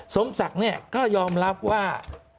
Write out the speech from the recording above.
สมศักดิ์ก็ยอมรับว่า